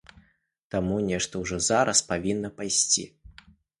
Таму нешта ўжо зараз павінна пайсці.